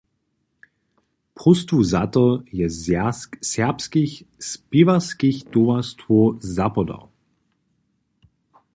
Próstwu za to je Zwjazk serbskich spěwarskich towarstwow zapodał.